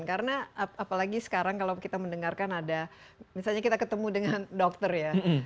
karena apalagi sekarang kalau kita mendengarkan ada misalnya kita ketemu dengan dokter ya